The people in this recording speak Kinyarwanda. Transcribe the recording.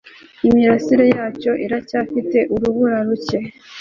Imirasire yacyo iracyafite urubura ruke